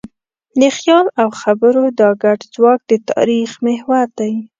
د خیال او خبرو دا ګډ ځواک د تاریخ محور دی.